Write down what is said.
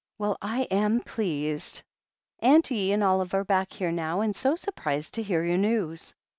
"Well I am pleased. Aunt E. and Olive are back here now, and so surprised to hear your news.